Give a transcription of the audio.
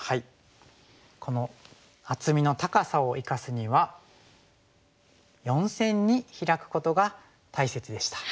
この厚みの高さを生かすには４線にヒラくことが大切でした。